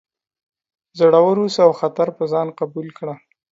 زړور اوسه او خطر په ځان قبول کړه.